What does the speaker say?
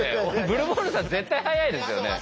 ブルボンヌさん絶対速いですよね。